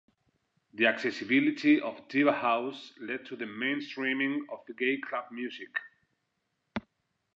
The accessibility of diva house lead to the mainstreaming of gay club music.